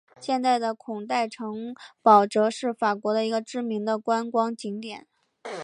现在的孔代城堡则是法国的一个知名的观光景点。